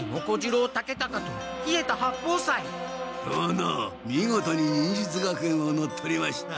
殿見事に忍術学園を乗っ取りました。